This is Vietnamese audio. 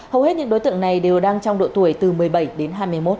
hầu hết những đối tượng này đều đang trong độ tuổi từ một mươi bảy đến hai mươi một